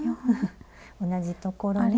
同じところに。